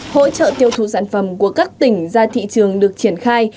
hỗ trợ tiêu thụ sản phẩm của các tỉnh ra thị trường được triển khai